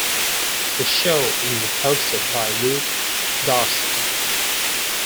The show is hosted by Luke Darcy.